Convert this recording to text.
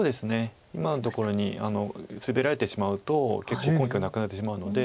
今のところにスベられてしまうと結構根拠がなくなってしまうので。